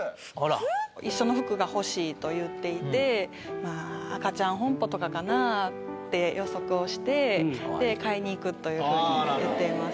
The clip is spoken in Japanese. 一緒の服が欲しいと言っていてまあアカチャンホンポとかかなぁって予測をして買いに行くというふうに言っています